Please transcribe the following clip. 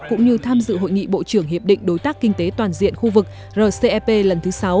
cũng như tham dự hội nghị bộ trưởng hiệp định đối tác kinh tế toàn diện khu vực rcep lần thứ sáu